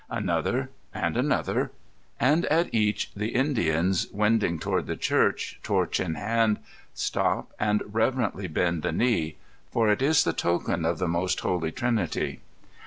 Another — and another — and at each, the Indians, wending toward the church, torch in hand, stop and reverently bend the knee; for it is the token of the Most Holy Trinity.